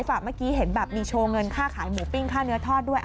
เมื่อกี้เห็นแบบมีโชว์เงินค่าขายหมูปิ้งค่าเนื้อทอดด้วย